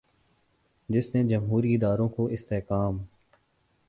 جس نے جمہوری اداروں کو استحکام